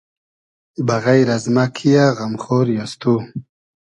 بئغݷر از مۂ کی یۂ غئم خۉری از تو